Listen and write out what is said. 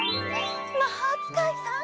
まほうつかいさん。